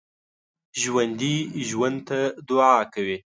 ژوندي ژوند ته دعا کوي